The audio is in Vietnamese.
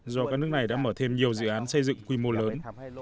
do các nước này đã mở thêm nhiều dự án xây dựng quy mô lớn